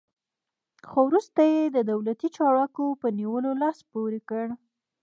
خو وروسته یې د دولتي چارواکو په نیولو لاس پورې کړ.